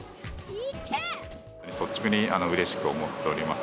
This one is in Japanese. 率直にうれしく思っております。